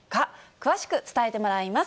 詳しく伝えてもらいます。